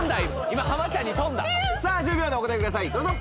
今ハマちゃんに飛んださあ１０秒でお答えくださいどうぞ！